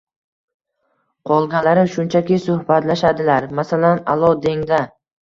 Qolganlari shunchaki suhbatlashadilar. Masalan, «allo» deng-da.